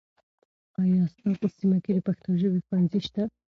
آیا ستا په سیمه کې د پښتو ژبې ښوونځي شته؟